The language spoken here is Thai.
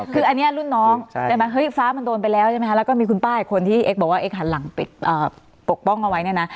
คืออันนี้รุ่นน้องฟ้ามันโดนไปแล้วแล้วก็มีคุณป้าอีกคนที่เอกบอกว่าเอกหันหลังปกป้องเอาไว้เนี่ยนะ